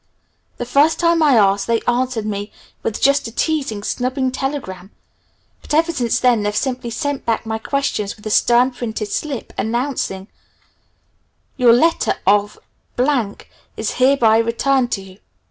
The first time I asked, they answered me with just a teasing, snubbing telegram, but ever since then they've simply sent back my questions with a stern printed slip announcing, "Your letter of is hereby returned to you.